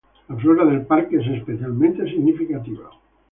La flora del parque es especialmente significativa.